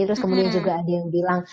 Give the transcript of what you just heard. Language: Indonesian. terus kemudian juga ada yang bilang